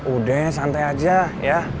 udah santai aja ya